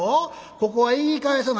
ここは言い返さな」。